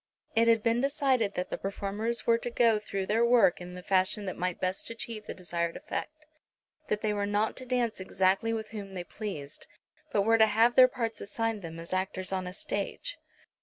It had been decided that the performers were to go through their work in the fashion that might best achieve the desired effect; that they were not to dance exactly with whom they pleased, but were to have their parts assigned them as actors on a stage.